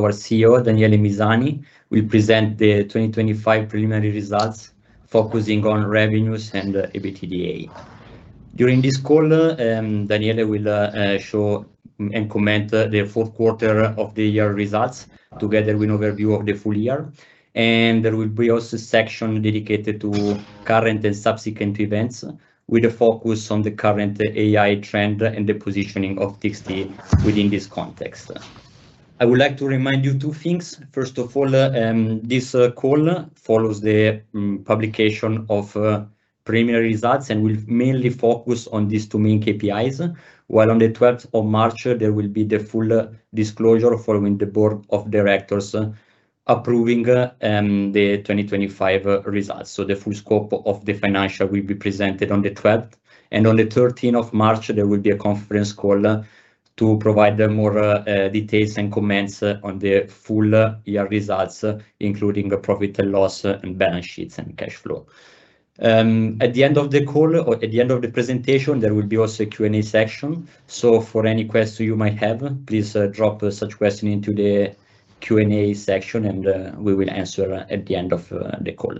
Our CEO, Daniele Misani, will present the 2025 preliminary results, focusing on revenues and EBITDA. During this call, Daniele will show and comment the fourth quarter of the year results together with an overview of the full year. There will be also a section dedicated to current and subsequent events, with a focus on the current AI trend and the positioning of TXT within this context. I would like to remind you two things. First of all, this call follows the publication of preliminary results and will mainly focus on these two main KPIs. While on the 12th of March, there will be the full disclosure following the board of directors approving the 2025 results. The full scope of the financial will be presented on the 12th. On the 13th of March, there will be a conference call to provide more details and comments on the full year results, including the profit and loss and balance sheets and cash flow. At the end of the call or at the end of the presentation, there will be also a Q&A section. For any question you might have, please drop such question into the Q&A section, and we will answer at the end of the call.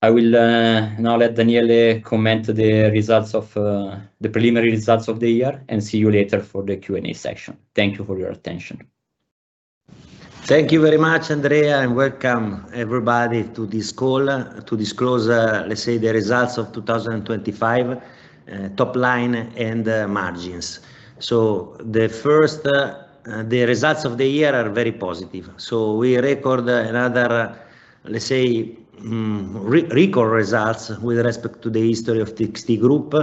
I will now let Daniele comment the results of the preliminary results of the year, and see you later for the Q&A section. Thank you for your attention. Thank you very much, Andrea, and welcome everybody to this call, to disclose the results of 2025, top line and margins. The first, the results of the year are very positive. We record another re-record results with respect to the history of TXT Group.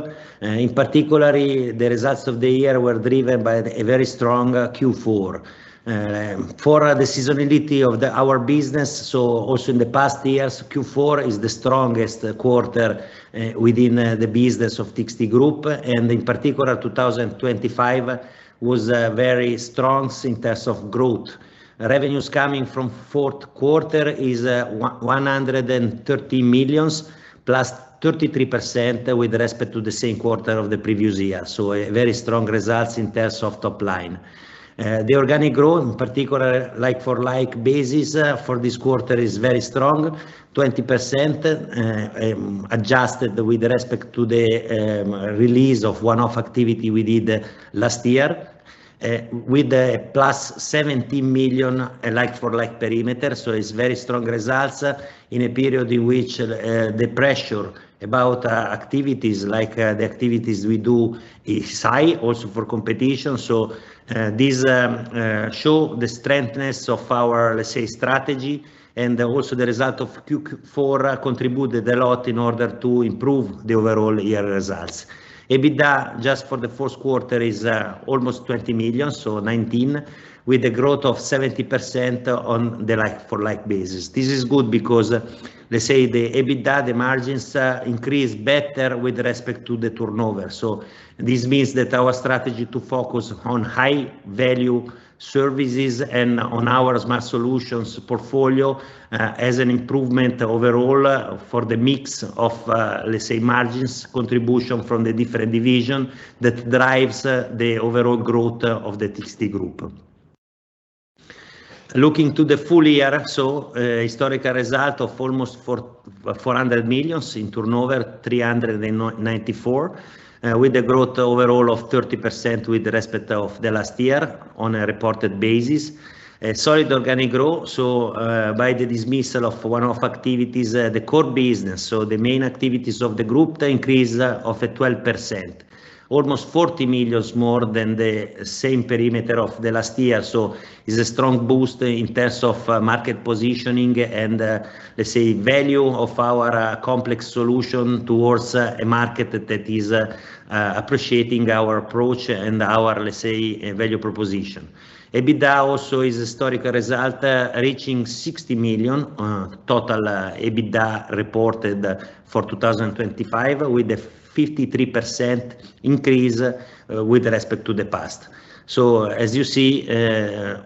In particular, the results of the year were driven by a very strong Q4. For the seasonality of the our business, also in the past years, Q4 is the strongest quarter within the business of TXT Group, and in particular, 2025 was very strong in terms of growth. Revenues coming from fourth quarter is 130 million +33% with respect to the same quarter of the previous year. A very strong results in terms of top line. The organic growth, in particular, like-for-like basis, for this quarter is very strong, 20%, adjusted with respect to the release of one-off activity we did last year, with a +70 million like-for-like perimeter. It's very strong results in a period in which the pressure about activities like the activities we do is high also for competition. This show the strengthness of our, let's say, strategy, and also the result of Q4 contributed a lot in order to improve the overall year results. EBITDA, just for the first quarter, is almost 20 million, so 19, with a growth of 70% on the like-for-like basis. This is good because, let's say, the EBITDA, the margins, increase better with respect to the turnover. This means that our strategy to focus on high-value services and on our Smart Solutions portfolio, as an improvement overall for the mix of, let's say, margins contribution from the different division that drives the overall growth of the TXT Group. Looking to the full year, historical result of almost 400 million in turnover, 394, with a growth overall of 30% with respect of the last year on a reported basis. A solid organic growth, by the dismissal of one-off activities, the core business, the main activities of the TXT Group increase of a 12%, almost 40 million more than the same perimeter of the last year. It's a strong boost in terms of market positioning and, let's say, value of our complex solution towards a market that is appreciating our approach and our, let's say, value proposition. EBITDA also is a historical result, reaching 60 million total EBITDA reported for 2025, with a 53% increase with respect to the past. As you see,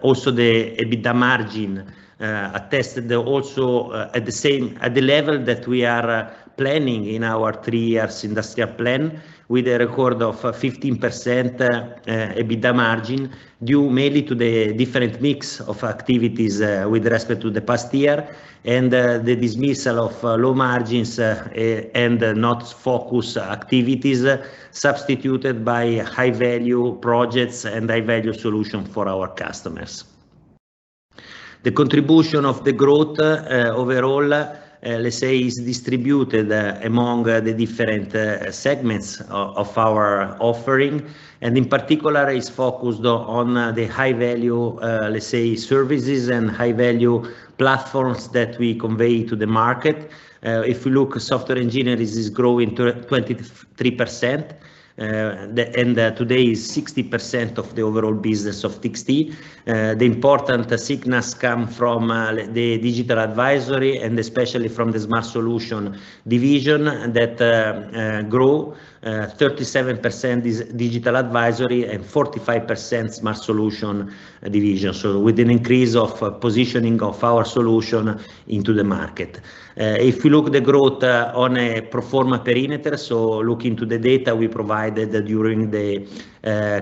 also the EBITDA margin attested also at the same, at the level that we are planning in our 3 years industrial plan with a record of 15% EBITDA margin, due mainly to the different mix of activities with respect to the past year and the dismissal of low margins and not focused activities substituted by high-value projects and high-value solution for our customers. The contribution of the growth, overall, let's say, is distributed among the different segments of our offering, and in particular is focused on the high value, let's say, services and high-value platforms that we convey to the market. If you look, Software Engineering is growing to 23%. Today is 60% of the overall business of TXT e-solutions. The important signals come from the Digital Advisory and especially from the Smart Solutions division that grow, 37% is Digital Advisory and 45% Smart Solutions division. With an increase of positioning of our solution into the market. If you look the growth on a pro forma perimeter, looking to the data we provided during the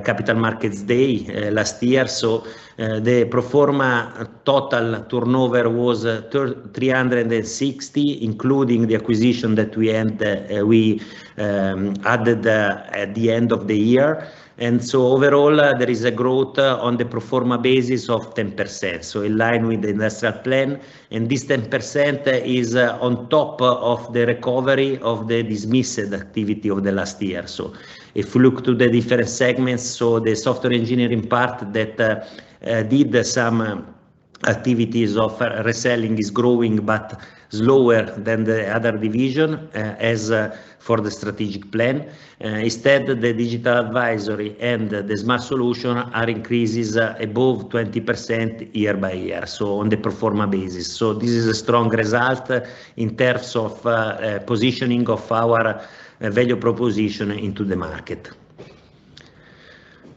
Capital Markets Day last year. The pro forma total turnover was 360, including the acquisition that we added at the end of the year. Overall, there is a growth on the pro forma basis of 10%, in line with the industrial plan. This 10% is on top of the recovery of the dismissed activity of the last year. If you look to the different segments, the Software Engineering part that did some activities of reselling is growing, but slower than the other division, as for the strategic plan. Instead, the Digital Advisory and the Smart Solutions are increases above 20% year-over-year, on the pro forma basis. This is a strong result in terms of positioning of our value proposition into the market.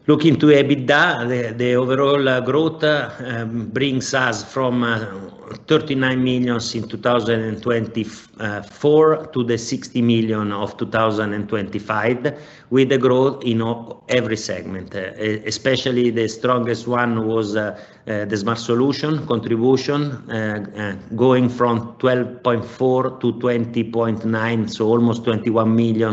Looking to EBITDA, the overall growth brings us from 39 million in 2024 to the 60 million of 2025 with the growth in every segment. Especially the strongest one was the Smart Solutions contribution going from 12.4-20.9, so almost 21 million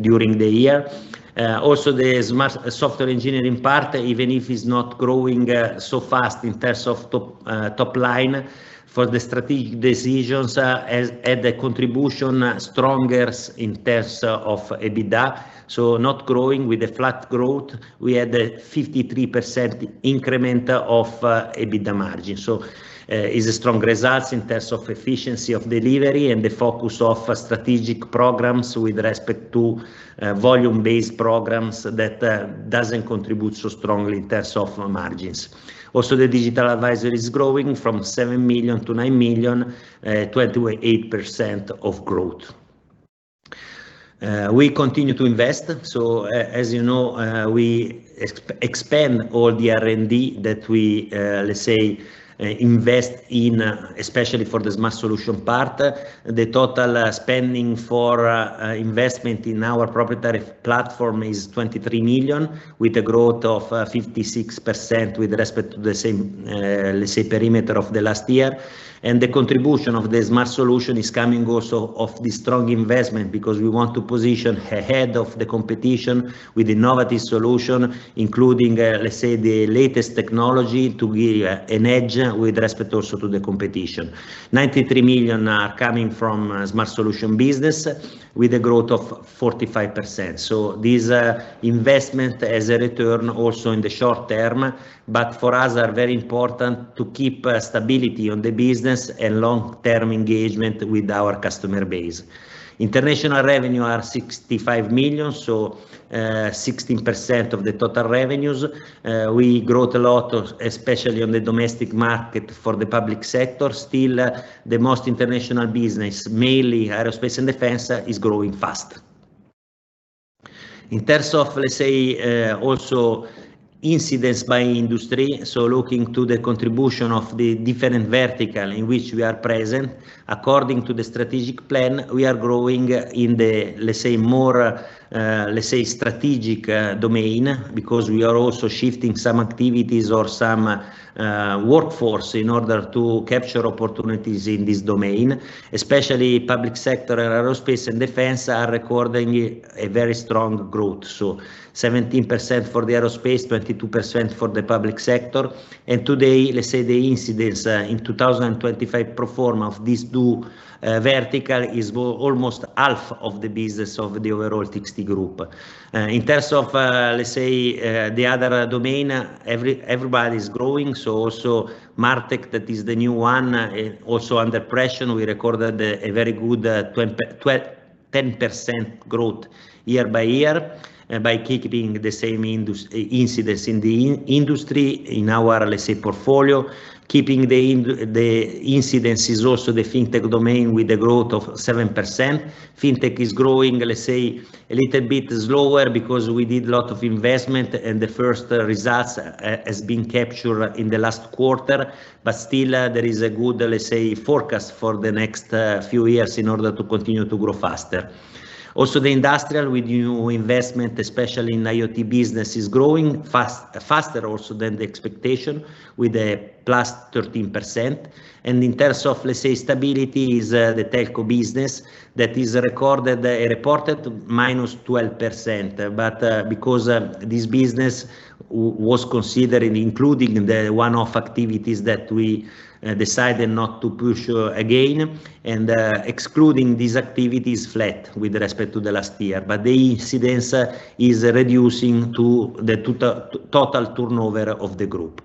during the year. The smart Software Engineering part, even if it's not growing so fast in terms of top line for the strategic decisions, has had a contribution stronger in terms of EBITDA. Not growing with a flat growth, we had a 53% increment of EBITDA margin. It's a strong results in terms of efficiency of delivery and the focus of strategic programs with respect to volume-based programs that doesn't contribute so strongly in terms of margins. The Digital Advisory is growing from 7 million-9 million, 28% of growth. We continue to invest. As you know, we expand all the R&D that we, let's say, invest in, especially for the Smart Solutions part. The total spending for investment in our proprietary platform is 23 million, with a growth of 56% with respect to the same, let's say, perimeter of the last year. The contribution of the Smart Solutions is coming also of the strong investment, because we want to position ahead of the competition with innovative solution, including, let's say, the latest technology to give an edge with respect also to the competition. 93 million are coming from Smart Solutions business with a growth of 45%. This investment as a return also in the short term, but for us are very important to keep stability on the business and long-term engagement with our customer base. International revenue are 65 million, 16% of the total revenues. We growth a lot, especially on the domestic market for the public sector. Still, the most international business, mainly aerospace and defense, is growing faster. In terms of, let's say, also incidents by industry, looking to the contribution of the different vertical in which we are present, according to the strategic plan, we are growing in the, let's say, more, let's say, strategic domain, because we are also shifting some activities or some workforce in order to capture opportunities in this domain, especially public sector aerospace and defense are recording a very strong growth. 17% for the aerospace, 22% for the public sector. Today, let's say the incidents in 2025 pro forma of these two vertical is almost half of the business of the overall TXT Group. In terms of, let's say, the other domain, everybody is growing. Also MarTech, that is the new one, also under pressure, we recorded a very good 10% growth year-by-year by keeping the same incidents in the industry in our, let's say, portfolio. Keeping the incidents is also the Fintech domain with a growth of 7%. Fintech is growing, let's say, a little bit slower because we did lot of investment, and the first results has been captured in the last quarter. Still, there is a good, let's say, forecast for the next few years in order to continue to grow faster. The industrial with new investment, especially in IoT business, is growing faster also than the expectation with a +13%. In terms of, let's say, stability is the telco business that is recorded, reported -12%. Because this business was considering including the one-off activities that we decided not to push again, and excluding these activities flat with respect to the last year. The incidents is reducing to the total turnover of the group.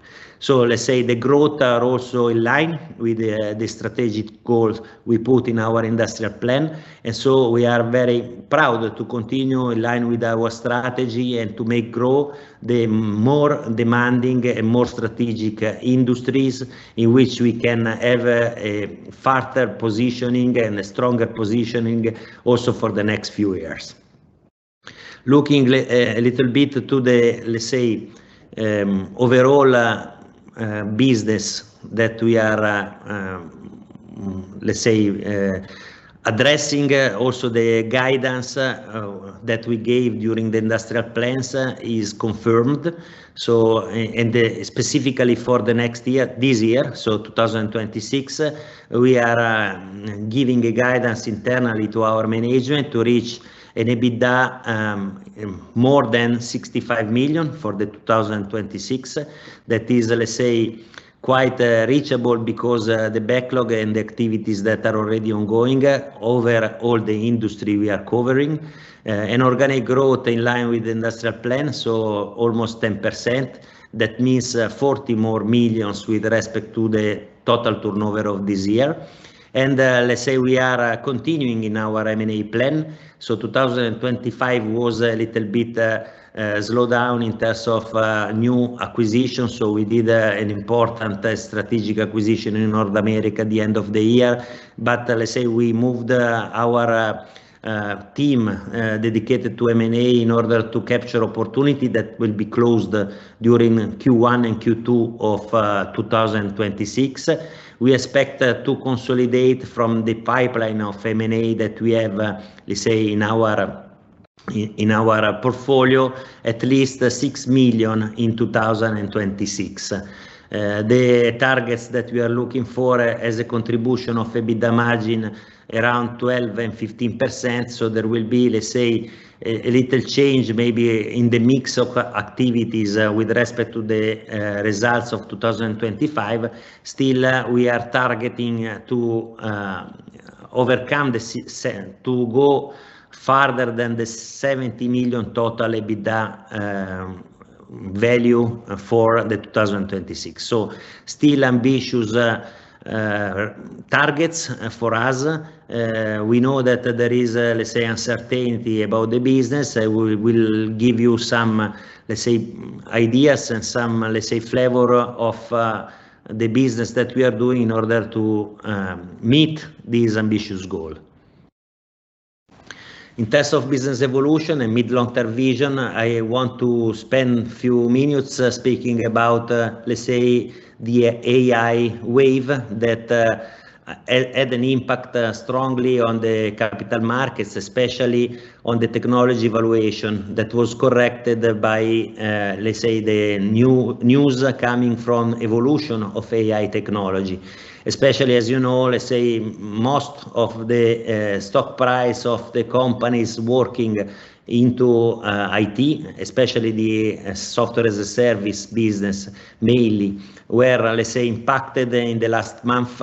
Let's say the growth are also in line with the strategic goals we put in our industrial plan. We are very proud to continue in line with our strategy and to make grow the more demanding and more strategic industries in which we can have a further positioning and a stronger positioning also for the next few years. Looking a little bit to the, let's say, overall business that we are addressing, also the guidance that we gave during the industrial plans is confirmed. So specifically for the next year, this year, so 2026, we are giving a guidance internally to our management to reach an EBITDA more than 65 million for the 2026. That is, let's say, quite reachable because the backlog and the activities that are already ongoing over all the industry we are covering in line with the industrial plan, so almost 10%. That means 40 million more with respect to the total turnover of this year. We are continuing in our M&A plan. 2025 was a little bit slow down in terms of new acquisitions. We did an important strategic acquisition in North America at the end of the year. We moved our team dedicated to M&A in order to capture opportunity that will be closed during Q1 and Q2 of 2026. We expect to consolidate from the pipeline of M&A that we have in our portfolio, at least 6 million in 2026 The targets that we are looking for as a contribution of EBITDA margin around 12% and 15%. There will be, let's say, a little change maybe in the mix of activities with respect to the results of 2025. Still, we are targeting to overcome to go farther than the 70 million total EBITDA value for 2026. Still ambitious targets for us. We know that there is, let's say, uncertainty about the business. I will give you some, let's say, ideas and some, let's say, flavor of the business that we are doing in order to meet this ambitious goal. In terms of business evolution and mid long-term vision, I want to spend a few minutes speaking about, let's say, the AI wave that had an impact strongly on the capital markets, especially on the technology valuation that was corrected by, let's say, the new news coming from evolution of AI technology, especially, as you know, let's say, most of the stock price of the companies working into IT, especially the Software-as-a-Service business mainly, were, let's say, impacted in the last month,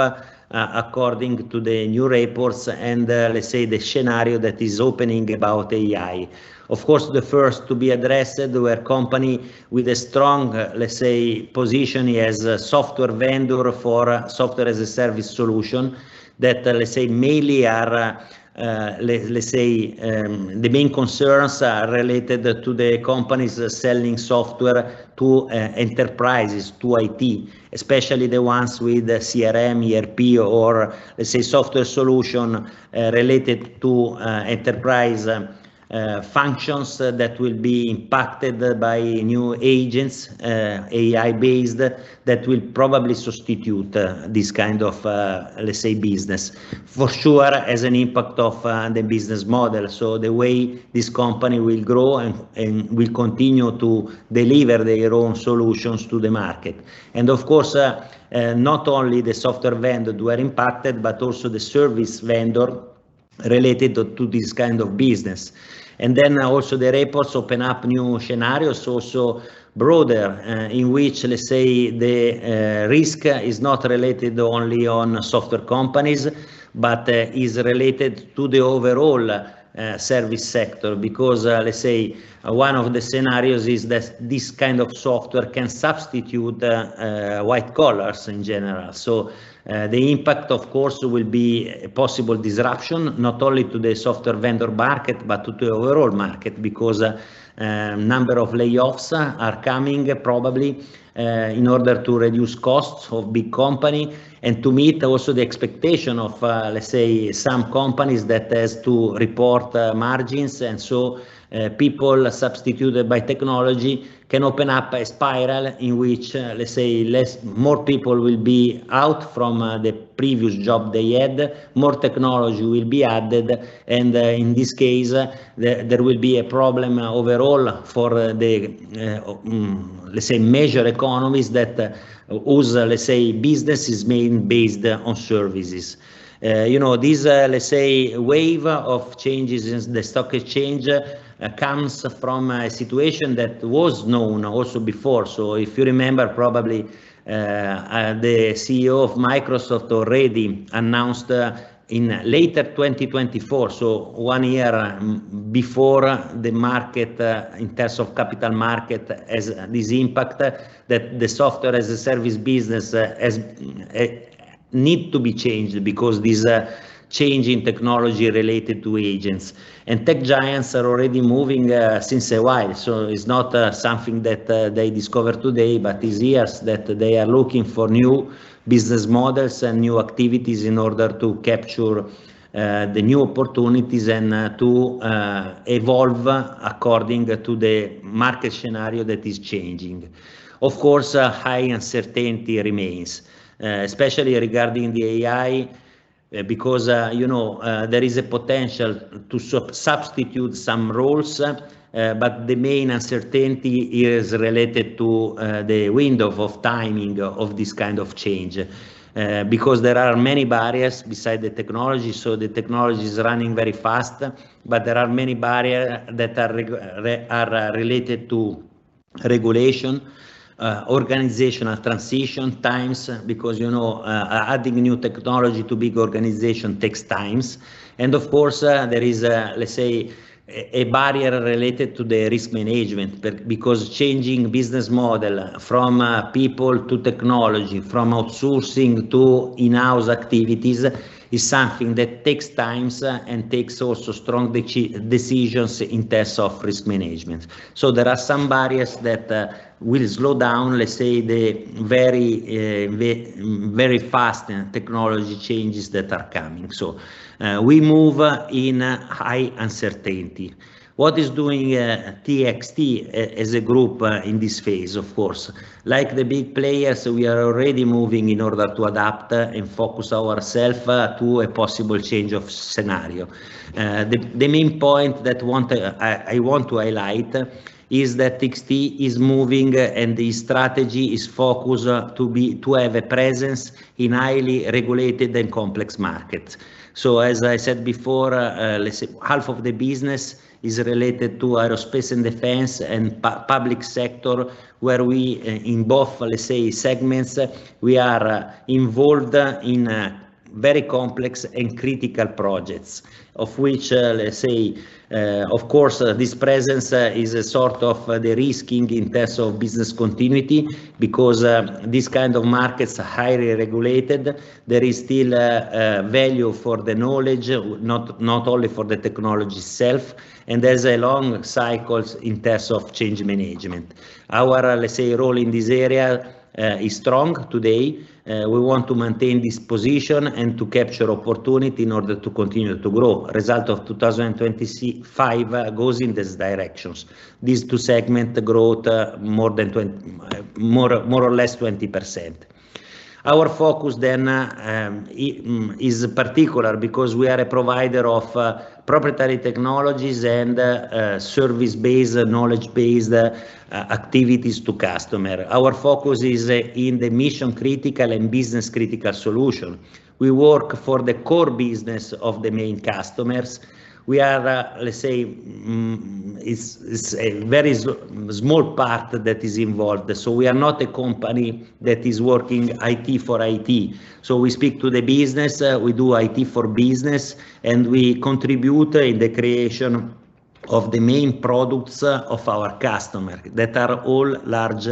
according to the new reports and, let's say, the scenario that is opening about AI. Of course, the first to be addressed were company with a strong position as a software vendor for Software-as-a-Service solution that mainly are, the main concerns are related to the companies selling software to enterprises, to IT, especially the ones with CRM, ERP, or software solution related to enterprise functions that will be impacted by new agents, AI-based, that will probably substitute this kind of business. For sure, as an impact of the business model. The way this company will grow and will continue to deliver their own solutions to the market. Not only the software vendor were impacted, but also the service vendor related to this kind of business. Also the reports open up new scenarios, also broader, in which, let's say, the risk is not related only on software companies, but is related to the overall service sector. Let's say, one of the scenarios is that this kind of software can substitute white collars in general. The impact, of course, will be possible disruption, not only to the software vendor market, but to the overall market, because number of layoffs are coming probably in order to reduce costs of big company and to meet also the expectation of, let's say, some companies that has to report margins. People substituted by technology can open up a spiral in which more people will be out from the previous job they had, more technology will be added, and in this case, there will be a problem overall for the major economies that also business is main based on services. You know, this wave of changes in the stock exchange comes from a situation that was known also before. If you remember, probably, the CEO of Microsoft already announced in later 2024, so 1 year before the market, in terms of capital market, has this impact that the Software-as-a-Service business has Need to be changed because this change in technology related to agents and tech giants are already moving since a while. It's not something that they discover today, but is years that they are looking for new business models and new activities in order to capture the new opportunities and to evolve according to the market scenario that is changing. Of course, high uncertainty remains especially regarding the AI because, you know, there is a potential to substitute some roles, but the main uncertainty is related to the window of timing of this kind of change because there are many barriers beside the technology. The technology is running very fast, but there are many barrier that are related to regulation, organizational transition times because, you know, adding new technology to big organization takes times. Of course, there is, let's say a barrier related to the risk management because changing business model from people to technology, from outsourcing to in-house activities is something that takes times and takes also strong decisions in terms of risk management. There are some barriers that will slow down, let's say, the very fast technology changes that are coming. We move in high uncertainty. What is doing TXT as a group in this phase, of course? Like the big players, we are already moving in order to adapt and focus ourself to a possible change of scenario. The main point that I want to highlight is that TXT is moving, and the strategy is focused to be... to have a presence in highly regulated and complex markets. As I said before, let's say half of the business is related to aerospace and defense and public sector, where we, in both, let's say, segments, we are involved in very complex and critical projects, of which, let's say, of course, this presence is a sort of de-risking in terms of business continuity because these kind of markets are highly regulated. There is still value for the knowledge, not only for the technology itself, and there's a long cycles in terms of change management. Our, let's say, role in this area is strong today. We want to maintain this position and to capture opportunity in order to continue to grow. Result of 2025 goes in these directions. These two segment growth more than more or less 20%. Our focus is particular because we are a provider of proprietary technologies and service-based, knowledge-based activities to customer. Our focus is in the mission-critical and business-critical solution. We work for the core business of the main customers. We are, let's say, it's a very small part that is involved. We are not a company that is working IT for IT. We speak to the business, we do IT for business, and we contribute in the creation of the main products of our customer that are all large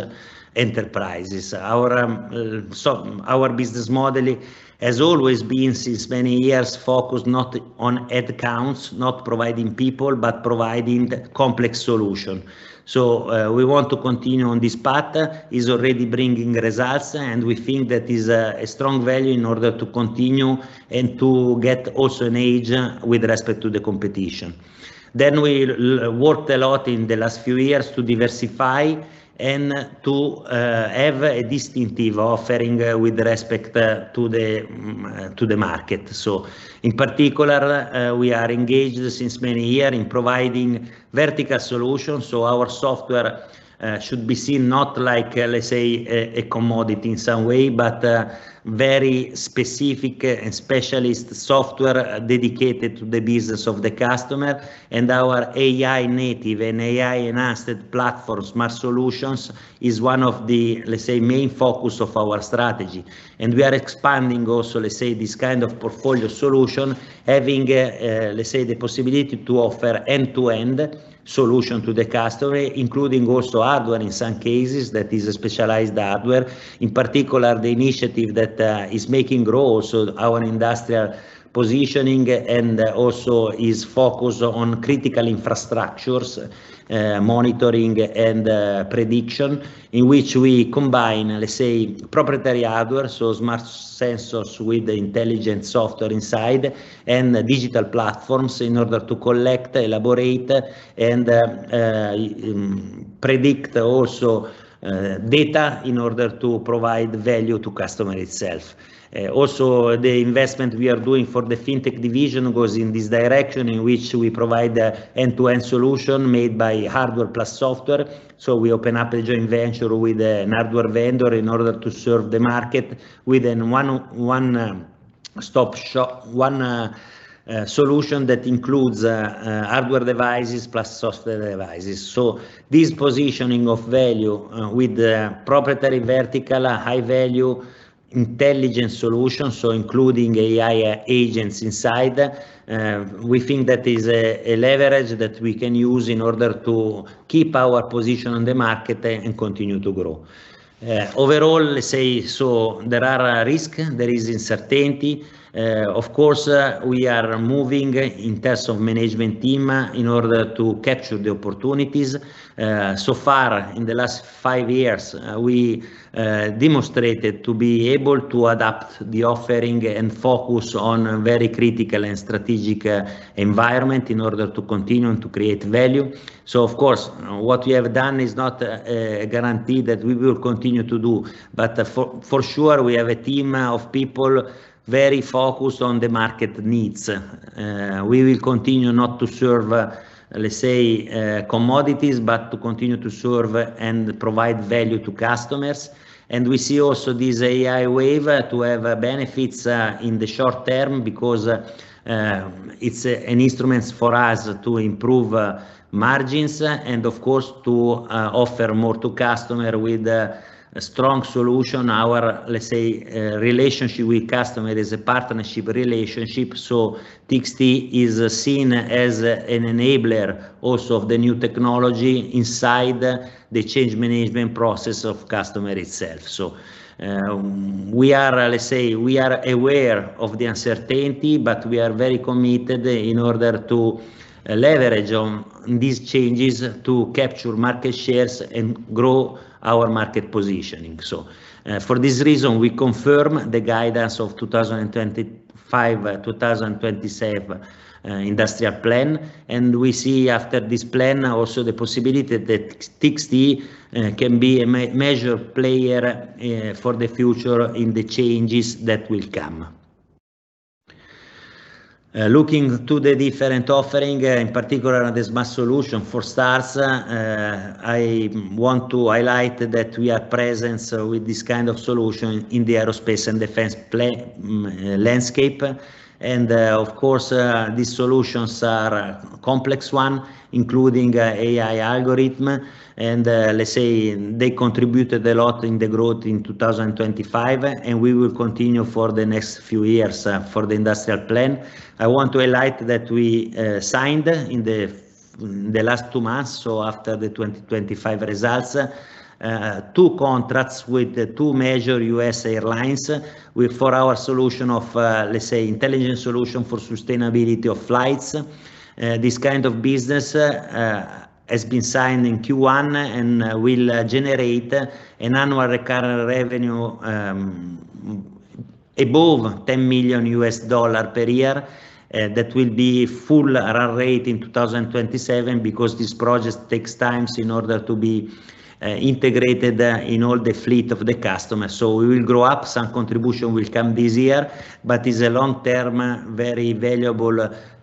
enterprises. Our business model has always been, since many years, focused not on ad counts, not providing people, but providing the complex solution. We want to continue on this path. It's already bringing results. We think that is a strong value in order to continue and to get also an edge with respect to the competition. We worked a lot in the last few years to diversify and to have a distinctive offering with respect to the market. In particular, we are engaged since many year in providing vertical solutions, so our software should be seen not like, let's say, a commodity in some way, but very specific and specialist software dedicated to the business of the customer. Our AI native and AI-enhanced platform Smart Solutions is one of the, let's say, main focus of our strategy. We are expanding also, let's say, this kind of portfolio solution, having, let's say, the possibility to offer end-to-end solution to the customer, including also hardware in some cases, that is specialized hardware. In particular, the initiative that is making grow also our industrial positioning and also is focused on critical infrastructures, monitoring and prediction, in which we combine, let's say, proprietary hardware, so Smart Sensors with the intelligent software inside and digital platforms in order to collect, elaborate, and predict also data in order to provide value to customer itself. Also the investment we are doing for the Fintech division goes in this direction in which we provide a end-to-end solution made by hardware plus software. We open up a joint venture with an hardware vendor in order to serve the market within one stop shop, one solution that includes hardware devices plus software devices. This positioning of value with the proprietary vertical, a high value intelligent solution, including AI agents inside, we think that is a leverage that we can use in order to keep our position on the market and continue to grow. Overall, let's say, there are risk, there is uncertainty. Of course, we are moving in terms of management team in order to capture the opportunities. So far in the last five years, we demonstrated to be able to adapt the offering and focus on very critical and strategic environment in order to continue to create value. Of course, what we have done is not a guarantee that we will continue to do, but for sure, we have a team of people very focused on the market needs. We will continue not to serve commodities, but to continue to serve and provide value to customers. We see also this AI wave to have benefits in the short term because it's an instrument for us to improve margins and of course to offer more to customer with a strong solution. Our relationship with customer is a partnership relationship. TXT is seen as an enabler also of the new technology inside the change management process of customer itself. We are, let's say, we are aware of the uncertainty, but we are very committed in order to leverage on these changes to capture market shares and grow our market positioning. For this reason, we confirm the guidance of 2025, 2027 industrial plan. We see after this plan also the possibility that TXT can be a major player for the future in the changes that will come. Looking to the different offering, in particular the Smart Solutions. For starts, I want to highlight that we are presence with this kind of solution in the aerospace and defense plan landscape. Of course, these solutions are complex one, including AI algorithm. Let's say they contributed a lot in the growth in 2025, and we will continue for the next few years for the industrial plan. I want to highlight that we signed in the last 2 months, so after the 2025 results, two contracts with the two major U.S. airlines for our solution of, let's say, intelligent solution for sustainability of flights. This kind of business has been signed in Q1 and will generate an Annual Recurring Revenue above $10 million per year. That will be full ARR rate in 2027 because this project takes times in order to be integrated in all the fleet of the customer. We will grow up. Some contribution will come this year, but is a long-term, very valuable,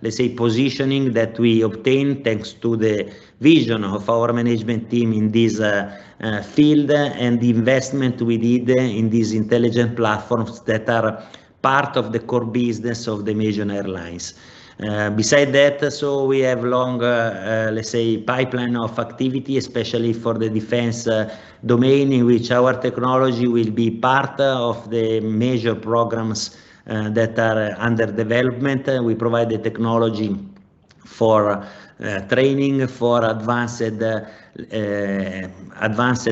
let's say, positioning that we obtain thanks to the vision of our management team in this field and the investment we did in these intelligent platforms that are part of the core business of the major airlines. Beside that, so we have long, let's say pipeline of activity, especially for the defense domain in which our technology will be part of the major programs that are under development. We provide the technology for training, for advanced advanced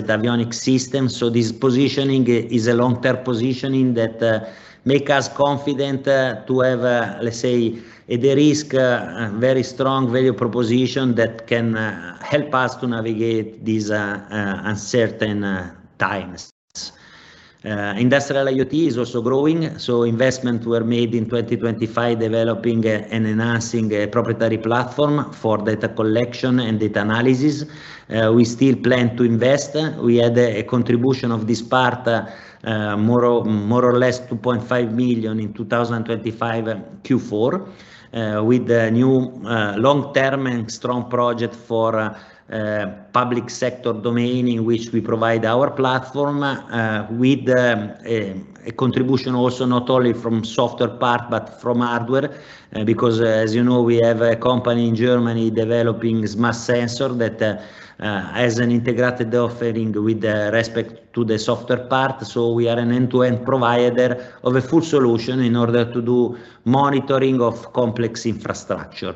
avionics systems. This positioning is a long-term positioning that make us confident to have, let's say, the risk, a very strong value proposition that can help us to navigate these uncertain times. Industrial IoT is also growing, investment were made in 2025, developing an enhancing a proprietary platform for data collection and data analysis. We still plan to invest. We had a contribution of this part, more or less 2.5 million in 2025 Q4, with the new long-term and strong project for public sector domain in which we provide our platform, with a contribution also not only from software part but from hardware. Because, as you know, we have a company in Germany developing Smart Sensor that has an integrated offering with the respect to the software part. We are an end-to-end provider of a full solution in order to do monitoring of complex infrastructure.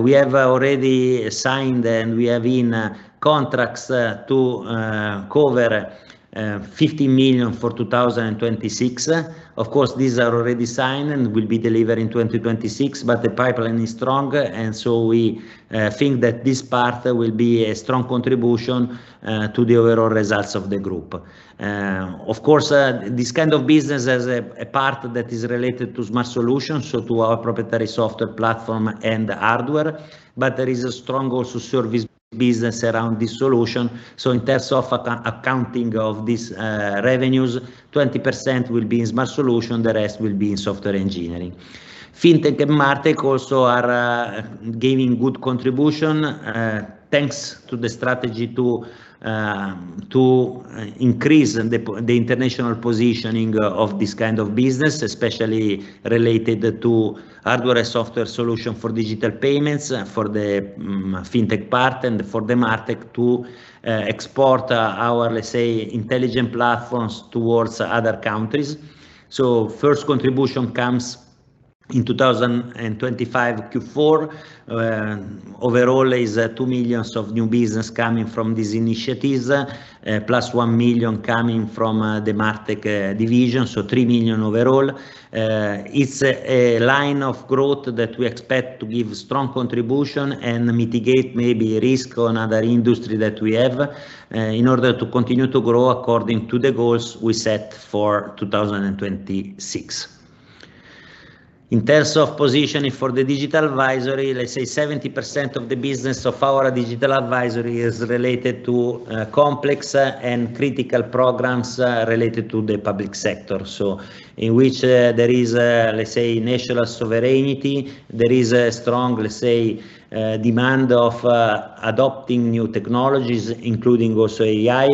We have already signed and we have in contracts to cover 50 million for 2026. Of course, these are already signed and will be delivered in 2026, but the pipeline is strong, and so we think that this part will be a strong contribution to the overall results of the group. Of course, this kind of business has a part that is related to Smart Solutions, so to our proprietary software platform and hardware, but there is a strong also service business around this solution. In terms of accounting of this revenues, 20% will be in Smart Solutions, the rest will be in Software Engineering. Fintech and MarTech also are giving good contribution thanks to the strategy to increase the international positioning of this kind of business, especially related to hardware and software solution for digital payments for the Fintech part and for the MarTech to export our, let's say, intelligent platforms towards other countries. First contribution comes in 2025 Q4, overall is 2 million of new business coming from these initiatives, +1 million coming from the MarTech division, 3 million overall. It's a line of growth that we expect to give strong contribution and mitigate maybe risk on other industry that we have in order to continue to grow according to the goals we set for 2026. In terms of positioning for the Digital Advisory, let's say 70% of the business of our Digital Advisory is related to complex and critical programs related to the public sector, in which there is, let's say, national sovereignty. There is a strong, let's say, demand of adopting new technologies, including also AI,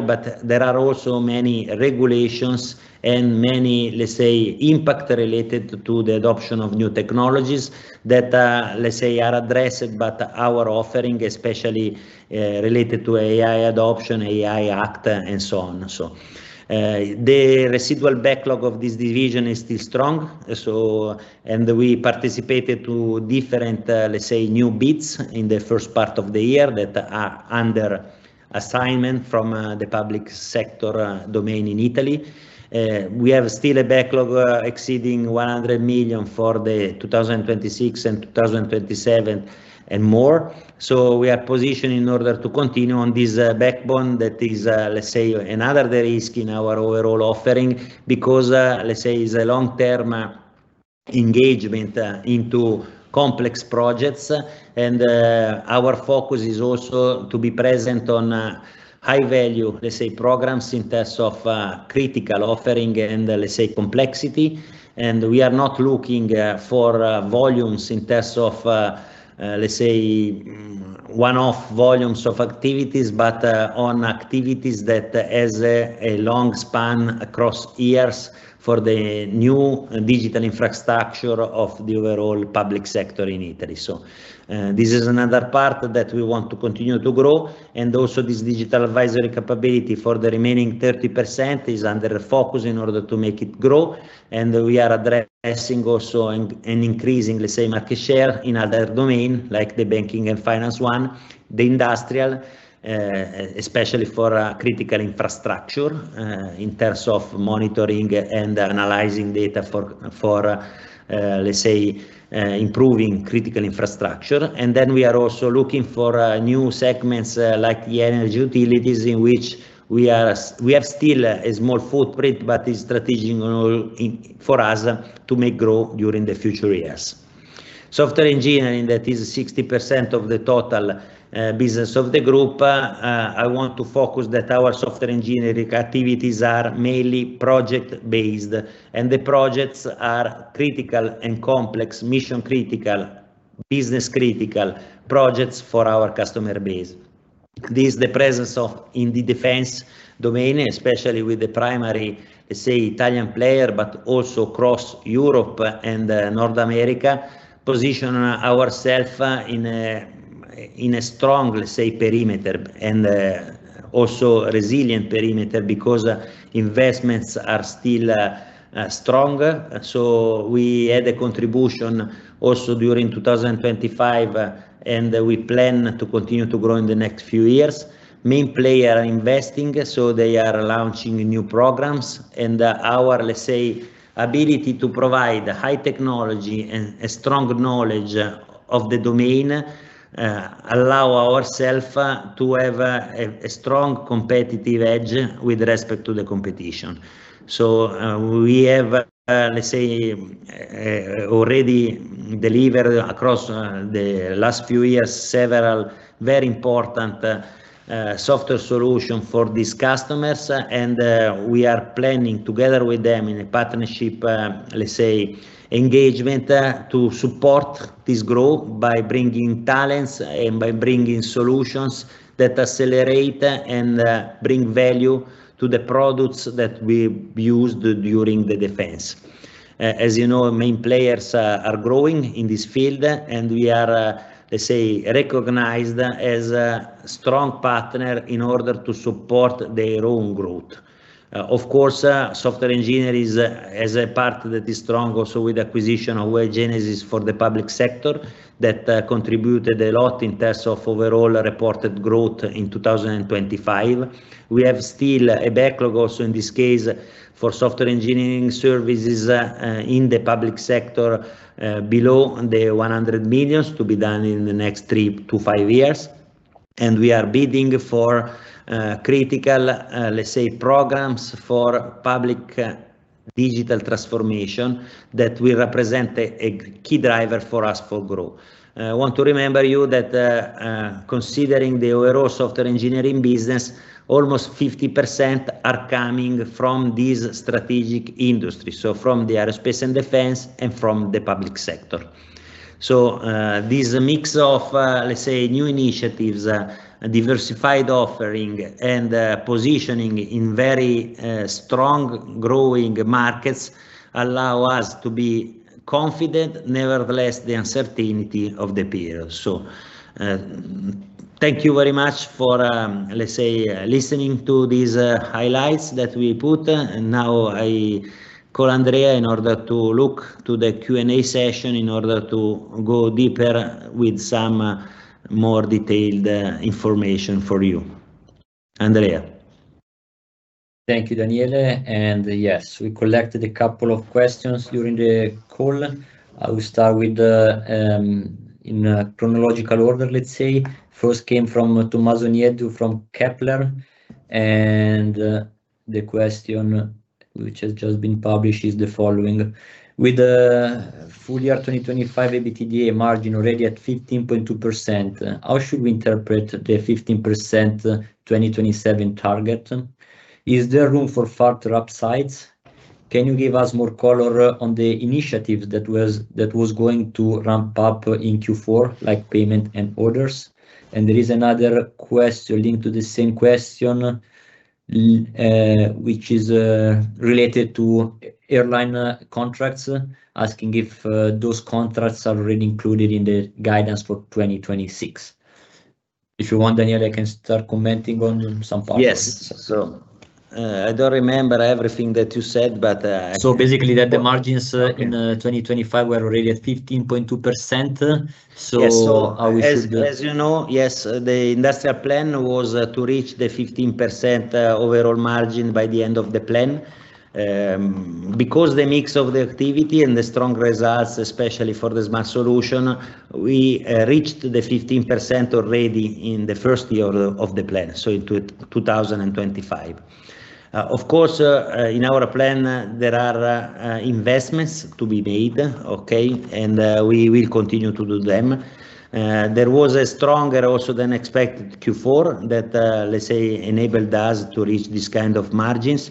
there are also many regulations and many, let's say, impact related to the adoption of new technologies that, let's say, are addressed by our offering, especially related to AI adoption, AI Act and so on. The residual backlog of this division is still strong. We participated to different, let's say, new bids in the first part of the year that are under assignment from the public sector domain in Italy. We have still a backlog exceeding 100 million for 2026 and 2027 and more. We are positioned in order to continue on this backbone that is, let's say, another risk in our overall offering because, let's say it's a long-term engagement into complex projects and our focus is also to be present on high value, let's say, programs in terms of critical offering and let's say complexity. We are not looking for volumes in terms of let's say one-off volumes of activities, but on activities that has a long span across years for the new digital infrastructure of the overall public sector in Italy. This is another part that we want to continue to grow. Also this Digital Advisory capability for the remaining 30% is under focus in order to make it grow. We are addressing also an increasingly same market share in other domain like the banking and finance one, the industrial, especially for critical infrastructure, in terms of monitoring and analyzing data for let's say improving critical infrastructure. We are also looking for new segments like the energy utilities in which we have still a small footprint, but is strategic for us to make grow during the future years. Software Engineering, that is 60% of the total business of the group. I want to focus that our Software Engineering activities are mainly project based, and the projects are critical and complex, mission critical, business critical projects for our customer base. This the presence of in the defense domain, especially with the primary, let's say, Italian player, but also across Europe and North America, position ourself in a, in a strong, let's say, perimeter and also resilient perimeter because investments are still strong. We had a contribution also during 2025, and we plan to continue to grow in the next few years. Main player investing, so they are launching new programs and our, let's say, ability to provide high technology and a strong knowledge of the domain, allow ourself to have a strong competitive edge with respect to the competition. We have, let's say, already delivered across the last few years, several very important software solution for these customers. We are planning together with them in a partnership, let's say engagement, to support this growth by bringing talents and by bringing solutions that accelerate and bring value to the products that we used during the defense. As you know, main players are growing in this field, and we are, let's say, recognized as a strong partner in order to support their own growth. Of course, Software Engineering is a part that is strong also with acquisition of Webgenesys for the public sector that contributed a lot in terms of overall reported growth in 2025. We have still a backlog also in this case for Software Engineering services in the public sector below 100 million to be done in the next 3 to 5 years. We are bidding for critical let's say programs for public digital transformation that will represent a key driver for us for growth. I want to remember you that, considering the overall Software Engineering business, almost 50% are coming from these strategic industries, so from the aerospace and defense and from the public sector. This mix of, let's say, new initiatives, a diversified offering, and positioning in very strong, growing markets allow us to be confident, nevertheless, the uncertainty of the period. Thank you very much for, let's say, listening to these highlights that we put. Now I call Andrea in order to look to the Q&A session in order to go deeper with some more detailed information for you. Andrea? Thank you, Daniele. Yes, we collected a couple of questions during the call. I will start with the in chronological order, let's say. First came from Tommaso Nieddu from Kepler. The question which has just been published is the following, "With the full year 2025 EBITDA margin already at 15.2%, how should we interpret the 15% 2027 target? Is there room for further upsides? Can you give us more color on the initiatives that was going to ramp up in Q4, like payment and orders?" There is another question linked to the same question, which is related to airline contracts, asking if those contracts are already included in the guidance for 2026. If you want, Daniele, I can start commenting on some parts of it. Yes. I don't remember everything that you said, but I can- Basically that the margins. Okay in 2025 were already at 15.2%. how we should. Yes, as you know, the industrial plan was to reach the 15% overall margin by the end of the plan. Because the mix of the activity and the strong results, especially for the Smart Solutions, we reached the 15% already in the first year of the plan, so in 2025. Of course, in our plan, there are investments to be made. We will continue to do them. There was a stronger also than expected Q4 that, let's say, enabled us to reach this kind of margins.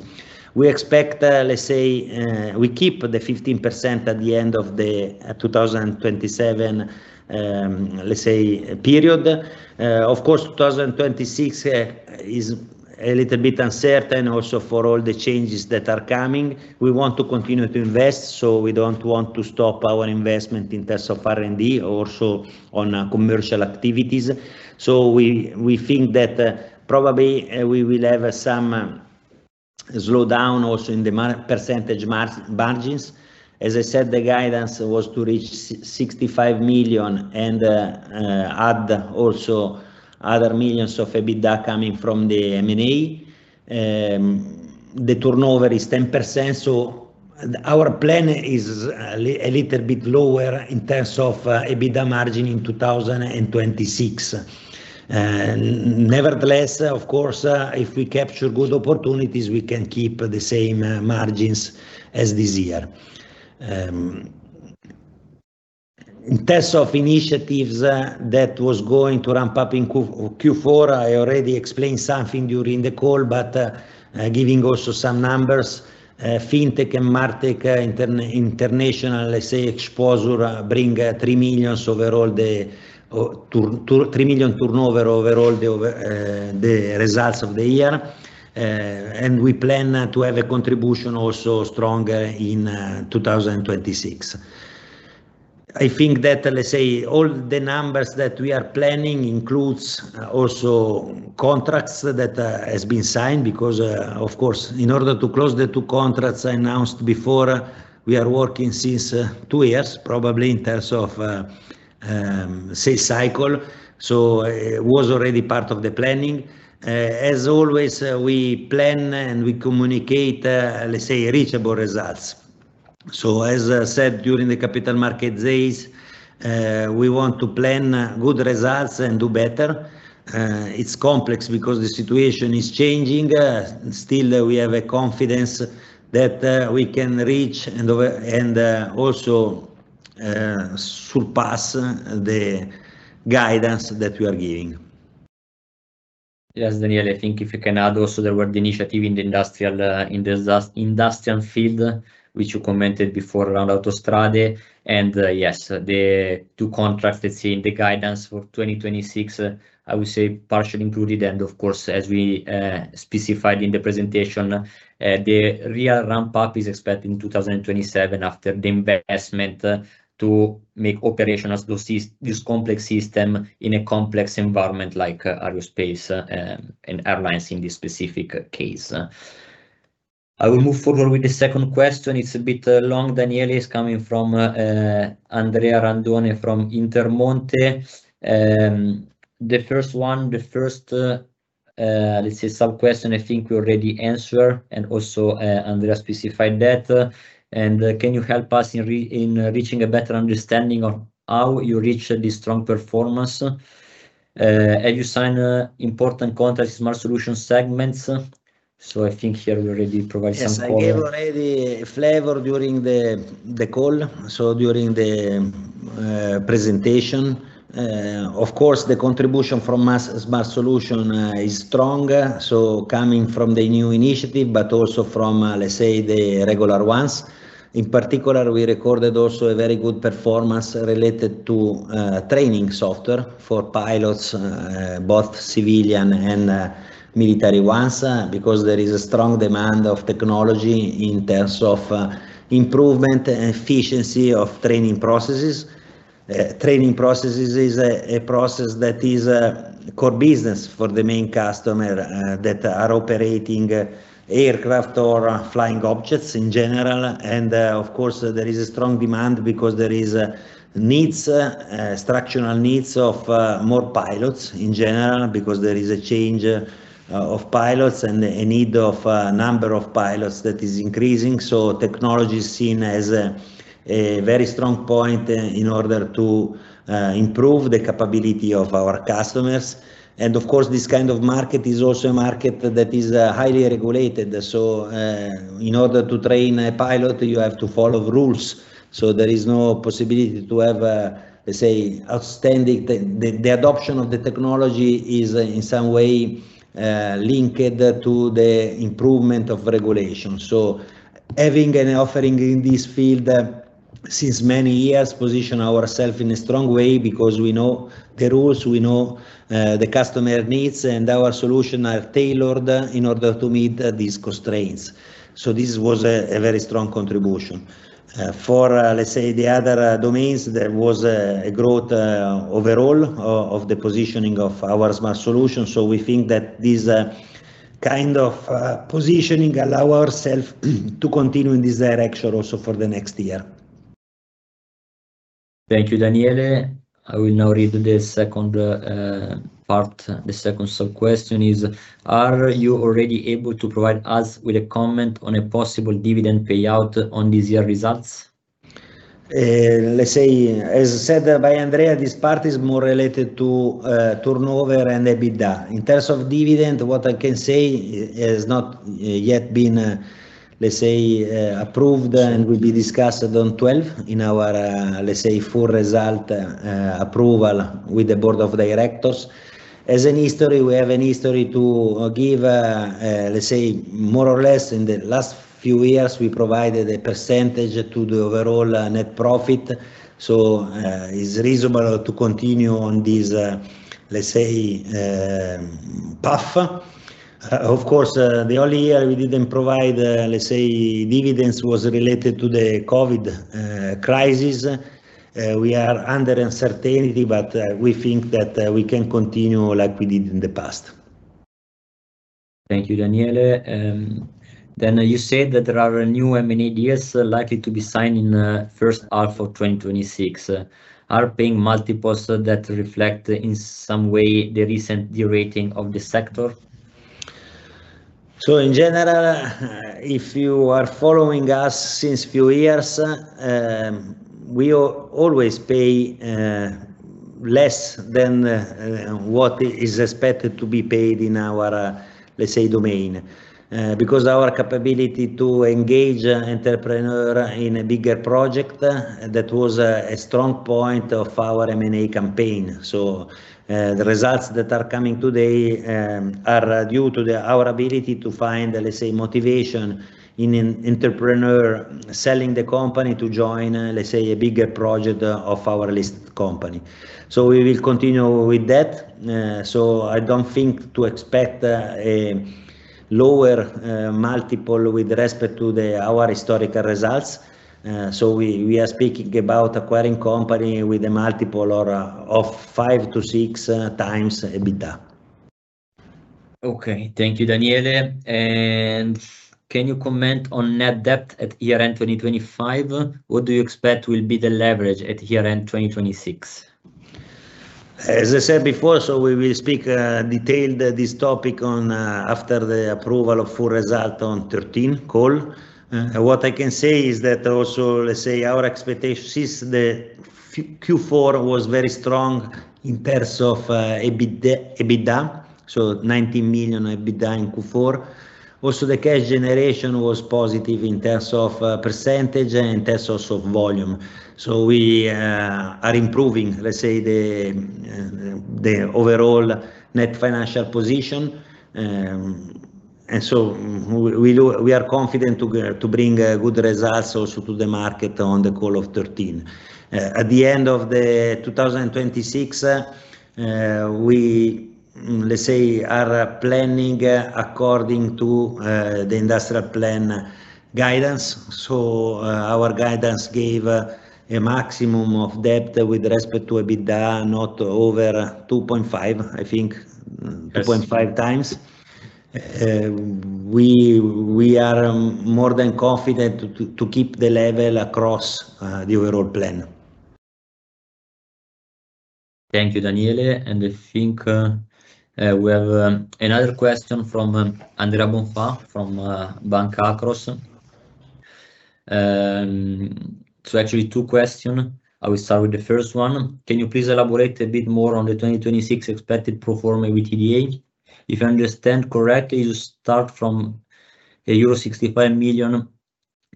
We expect, let's say, we keep the 15% at the end of the 2027, let's say, period. Of course, 2026 is a little bit uncertain also for all the changes that are coming. We want to continue to invest. We don't want to stop our investment in terms of R&D, also on our commercial activities. We think that probably we will have some slowdown also in the percentage margins. As I said, the guidance was to reach 65 million, and add also other millions of EBITDA coming from the M&A. The turnover is 10%. Our plan is a little bit lower in terms of EBITDA margin in 2026. Nevertheless, of course, if we capture good opportunities, we can keep the same margins as this year. In terms of initiatives that was going to ramp up in Q4, I already explained something during the call, but, giving also some numbers, Fintech and MarTech international, let's say, exposure bring 3 million overall the or 2 million-3 million turnover overall the results of the year. We plan to have a contribution also stronger in 2026. I think that, let's say, all the numbers that we are planning includes also contracts that has been signed because, of course, in order to close the two contracts I announced before, we are working since two years, probably, in terms of sales cycle. It was already part of the planning. As always, we plan and we communicate, let's say, reachable results. As I said during the Capital Markets Days, we want to plan good results and do better. It's complex because the situation is changing. Still we have a confidence that we can reach and also surpass the guidance that we are giving. Daniele, I think if you can add also there were the initiative in the industrial field, which you commented before around Autostrade. Yes, the two contracts, let's say, in the guidance for 2026, I would say partially included. Of course, as we specified in the presentation, the real ramp up is expected in 2027 after the investment to make operational this complex system in a complex environment like aerospace and airlines in this specific case. I will move forward with the second question. It's a bit long, Daniele. It's coming from Andrea Randone from Intermonte. The first one, the first, let's say, sub-question, I think we already answered, and also Andrea specified that. Can you help us in reaching a better understanding of how you reach this strong performance? Have you signed important contracts, Smart Solutions segments? I think here we already provide some color. Yes, I gave already flavor during the call, so during the presentation. Of course, the contribution from Smart Solutions is stronger, so coming from the new initiative, but also from, let's say the regular ones. In particular, we recorded also a very good performance related to training software for pilots, both civilian and military ones, because there is a strong demand of technology in terms of improvement and efficiency of training processes. Training processes is a process that is core business for the main customer that are operating aircraft or flying objects in general. Of course, there is a strong demand because there is needs, structural needs of more pilots in general because there is a change of pilots and a need of a number of pilots that is increasing. Technology is seen as a very strong point in order to improve the capability of our customers. Of course, this kind of market is also a market that is highly regulated. In order to train a pilot, you have to follow rules. The adoption of the technology is in some way linked to the improvement of regulation. Having an offering in this field, since many years position ourself in a strong way because we know the rules, we know the customer needs, and our solution are tailored in order to meet these constraints. This was a very strong contribution. For the other domains, there was a growth overall of the positioning of our Smart Solutions. We think that this, kind of, positioning allow ourselves to continue in this direction also for the next year. Thank you, Daniele. I will now read the second part. The second sub-question is, are you already able to provide us with a comment on a possible dividend payout on this year results? Let's say, as said by Andrea, this part is more related to turnover and EBITDA. In terms of dividend, what I can say is not yet been, let's say, approved and will be discussed on 12th in our, let's say, full result approval with the board of directors. As an history, we have an history to give, let's say, more or less in the last few years, we provided a percentage to the overall net profit. It's reasonable to continue on this, let's say, path. Of course, the only year we didn't provide, let's say, dividends was related to the COVID crisis. We are under uncertainty, but we think that we can continue like we did in the past. Thank you, Daniele. You said that there are new M&A deals likely to be signed in first half of 2026. Are paying multiples that reflect in some way the recent derating of the sector? In general, if you are following us since few years, we always pay less than what is expected to be paid in our, let's say, domain. Because our capability to engage entrepreneur in a bigger project, that was a strong point of our M&A campaign. The results that are coming today are due to our ability to find, let's say, motivation in an entrepreneur selling the company to join, let's say, a bigger project of our listed company. We will continue with that. I don't think to expect a lower multiple with respect to our historical results. We are speaking about acquiring company with a multiple or of 5x-6x EBITDA. Okay. Thank you, Daniele. Can you comment on net debt at year-end 2025? What do you expect will be the leverage at year-end 2026? As I said before, we will speak detailed this topic on after the approval of full result on 13 call. What I can say is that also, let's say, our expectation since the Q4 was very strong in terms of EBITDA, so 19 million EBITDA in Q4. Also, the cash generation was positive in terms of percentage and in terms also of volume. We are improving, let's say, the overall Net Financial Position. We are confident to bring good results also to the market on the call of 13. At the end of 2026, we, let's say, are planning according to the industrial plan guidance. Our guidance gave a maximum of debt with respect to EBITDA, not over 2.5, I think- Yes... 2.5x. We are more than confident to keep the level across the overall plan. Thank you, Daniele. I think we have another question from Andrea Bonfà from Banca Akros. Actually two questions. I will start with the first one. Can you please elaborate a bit more on the 2026 expected pro forma EBITDA? If I understand correctly, you start from a euro 65 million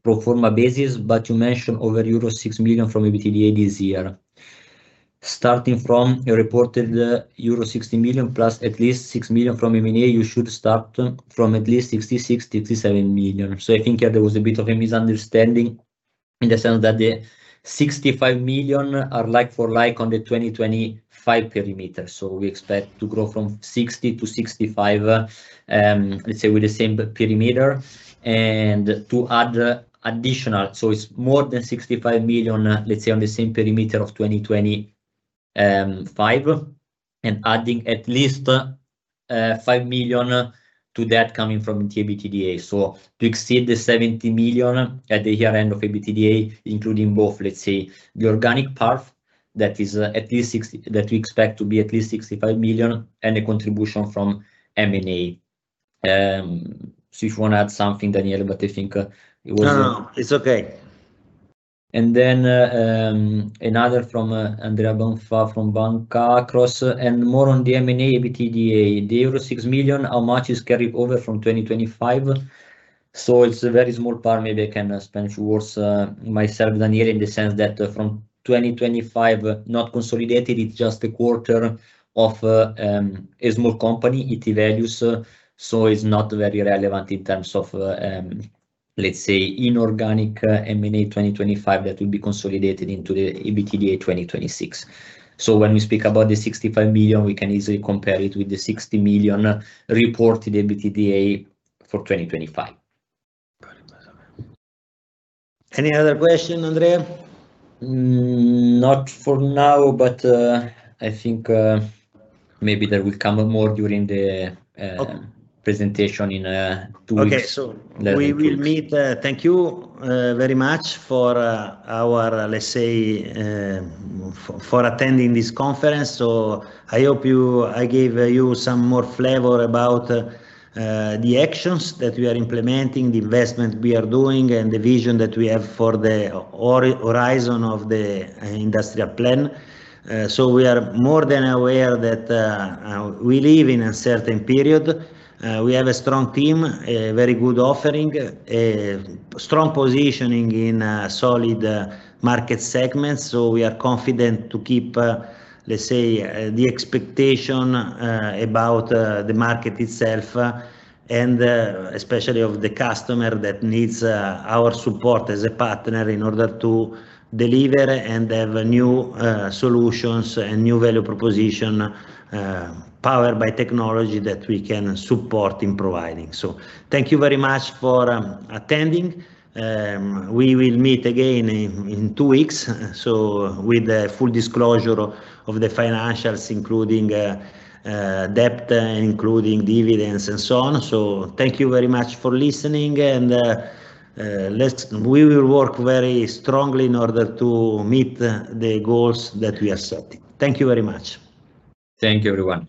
pro forma basis, but you mentioned over euro 6 million from EBITDA this year. Starting from a reported euro 60 million+ at least 6 million from M&A, you should start from at least 66 million- 67 million. I think there was a bit of a misunderstanding in the sense that the 65 million are like-for-like on the 2025 perimeter. We expect to grow from 60 million- 65 million, let's say with the same perimeter, and to add additional. It's more than 65 million, let's say, on the same perimeter of 2025, and adding at least 5 million to that coming from the EBITDA. To exceed 70 million at the year-end of EBITDA, including both, let's say, the organic path, that we expect to be at least 65 million, and a contribution from M&A. If you want to add something, Daniele, but I think it was. No, no, it's okay. Another from Andrea Bonfà from Banca Akros. More on the M&A EBITDA, the euro 6 million, how much is carried over from 2025? It's a very small part. Maybe I can spend few words myself, Daniele, in the sense that from 2025, not consolidated, it's just a quarter of a small company, IT Values. It's not very relevant in terms of, let's say, inorganic M&A 2025 that will be consolidated into the EBITDA 2026. When we speak about the 65 million, we can easily compare it with the 60 million reported EBITDA for 2025. Any other question, Andrea? Not for now, but I think maybe there will come up more during the. Okay ... presentation in, two weeks Okay. We will meet. Thank you very much for our, let's say, for attending this conference. I hope I gave you some more flavor about the actions that we are implementing, the investment we are doing, and the vision that we have for the horizon of the industrial plan. We are more than aware that we live in uncertain period. We have a strong team, a very good offering, strong positioning in solid market segments. We are confident to keep, let's say, the expectation about the market itself, and especially of the customer that needs our support as a partner in order to deliver and have new solutions and new value proposition, powered by technology that we can support in providing. Thank you very much for attending. We will meet again in two weeks, so with the full disclosure of the financials, including debt, including dividends and so on. Thank you very much for listening and we will work very strongly in order to meet the goals that we are setting. Thank you very much. Thank you, everyone.